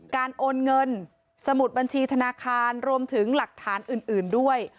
โอนเงินสมุดบัญชีธนาคารรวมถึงหลักฐานอื่นด้วย